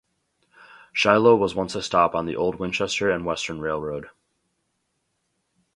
Shiloh was once a stop on the old Winchester and Western Railroad.